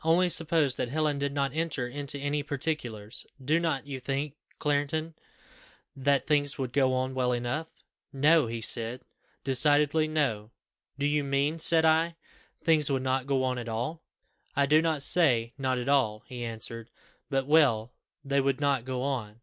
Only suppose that Helen did not enter into any particulars, do not you think, Clarendon, that things would go on well enough?' 'No,' he said decidedly, 'no.' 'Do you mean,' said I, 'that things would not go on at all?' 'I do not say, not at all,' he answered; 'but well they would not go on.